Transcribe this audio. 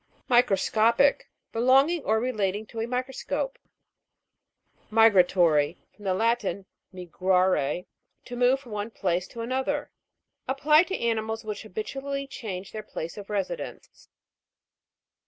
MICROSCO'PIC. Belonging or relating to a microscope, MI'GRATORY. From the Latin, mi grate, to move from one place to another. Applied to animals which habitually change their place ot residence.